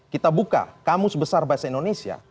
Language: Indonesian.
kita buka kamus besar bahasa indonesia